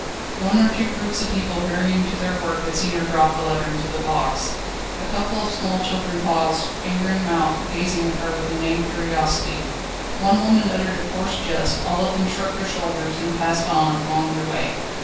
One or two groups of people hurrying to their work had seen her drop the letter into the box. A couple of small children paused, finger in mouth, gazing at her with inane curiosity; one woman uttered a coarse jest, all of them shrugged their shoulders, and passed on, on their way.